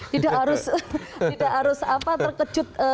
tidak harus terkejut